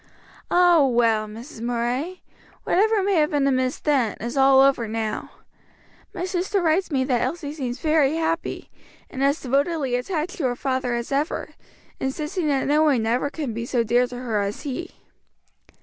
"Ah, well, Mrs. Murray, whatever may have been amiss then, is all over now. My sister writes me that Elsie seems very happy, and as devotedly attached to her father as ever, insisting that no one ever can be so dear to her as he."